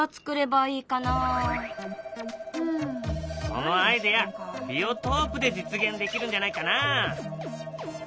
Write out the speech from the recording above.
そのアイデアビオトープで実現できるんじゃないかな。